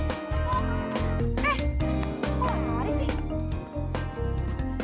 eh kok ada sih